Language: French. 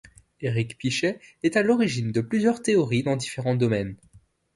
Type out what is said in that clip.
Éric Pichet est à l'origine de plusieurs théories dans différents domaines.